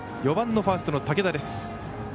４番のファーストの武田です。